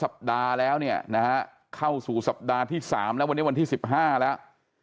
สัปดาห์แล้วเนี่ยนะฮะเข้าสู่สัปดาห์ที่๓แล้ววันนี้วันที่๑๕แล้ว